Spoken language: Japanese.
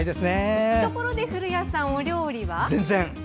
ところで古谷さん、お料理は？